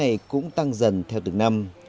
các bệnh viện cũng tăng dần theo từng năm